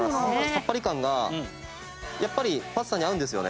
さっぱり感がやっぱりパスタに合うんですよね。